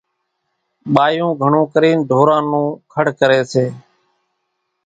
ٻايوُن گھڻون ڪرينَ ڍوران نون کڙ ڪريَ سي۔